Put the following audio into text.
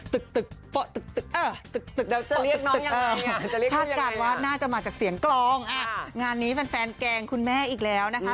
จะเรียกน้องยังไงถ้าการว่าน่าจะมาจากเสียงกลองงานนี้แฟนแฟนแกล้งคุณแม่อีกแล้วนะคะ